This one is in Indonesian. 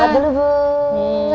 berangkat dulu bos